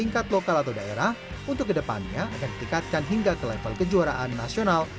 tingkat lokal atau daerah untuk kedepannya akan ditingkatkan hingga ke level kejuaraan nasional